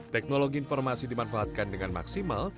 teknologi informasi dimanfaatkan dengan maksimal